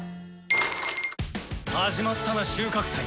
始まったな収穫祭。